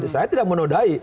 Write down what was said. saya tidak menodai